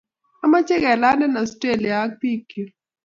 Amache kelande Australia ak bik chuk